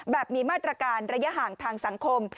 แบบมีมาตรการระยะห่างทางสังคม